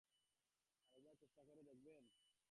আরেকবার চেষ্টা করে দেখবেন?